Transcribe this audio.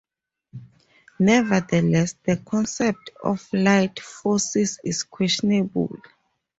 Nevertheless, the concept of "light" forces is questionable.